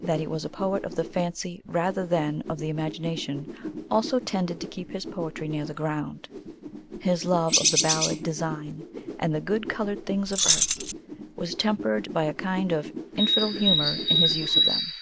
That he was a poet of the fancy rather than of the imagination also tended to keep his poetry near the ground. His love of the ballad design and "the good coloured things of Earth" was tempered by a kind of infidel humour in his use of them.